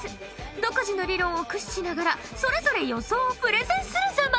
独自の理論を駆使しながらそれぞれ予想をプレゼンするザマス。